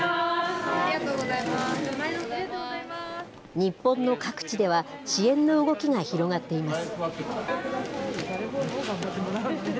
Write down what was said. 日本の各地では、支援の動きが広がっています。